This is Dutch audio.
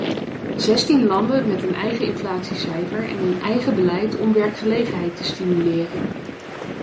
Zestien landen met een eigen inflatiecijfer en een eigen beleid om werkgelegenheid te stimuleren.